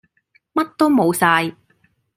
乜都冇曬